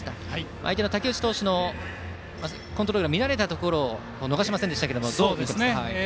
相手の武内投手のコントロールが乱れたところを逃しませんでしたがどうみていましたか？